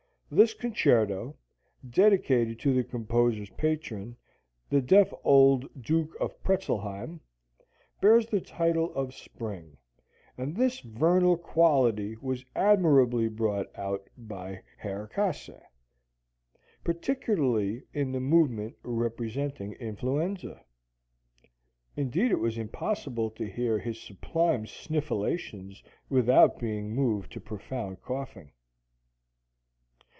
This concerto, dedicated to the composer's patron, the deaf old Duke of Pretzelheim, bears the title of "Spring," and this vernal quality was admirably brought out by Herr Käse, particularly in the movement representing influenza. Indeed, it was impossible to hear his sublime sniffulations without being moved to profound coughing.